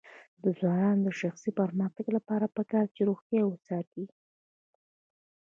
د ځوانانو د شخصي پرمختګ لپاره پکار ده چې روغتیا وساتي.